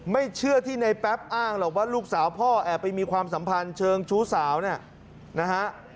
ไม่เชื่อที่ในแป๊บอ้างหรอกว่าลูกสาวพ่อแอบไปมีความสัมพันธ์เชิงชู้สาวเนี่ยนะฮะ